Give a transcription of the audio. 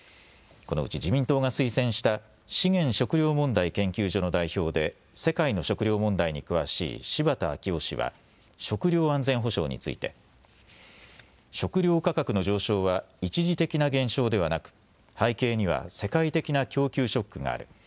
このうち自民党が推薦した資源・食糧問題研究所の代表で世界の食料問題に詳しい柴田明夫氏は食料安全保障について食料価格の上昇は一時的な現象ではなく背景には世界的な供給ショックがある。